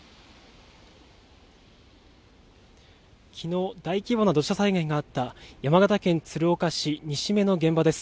昨日、大規模な土砂災害があった山形県鶴岡市西目の現場です。